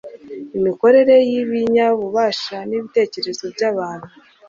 imikorere y'ibinyabubasha n'ibitekerezo by'abantu